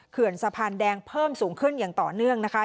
เขื่อนสะพานแดงเพิ่มสูงขึ้นอย่างต่อเนื่องนะคะ